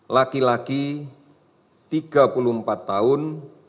laki laki tiga puluh empat tahun